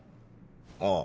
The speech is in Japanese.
ああ。